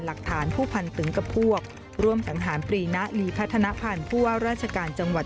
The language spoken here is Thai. หลักฐานผู้พันตึงกับพวกร่วมสังหารปรีนะลีพัฒนภัณฑ์ผู้ว่าราชการจังหวัด